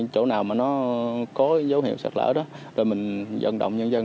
chỗ nào mà nó có dấu hiệu sạt lỡ đó rồi mình vận động nhân dân